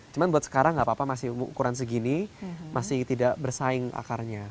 cuma buat sekarang nggak apa apa masih ukuran segini masih tidak bersaing akarnya